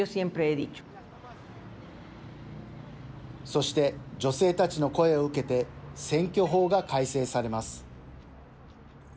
そして、女性たちの声を受けて選挙法が改正されます。